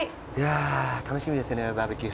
楽しみですねバーベキュー。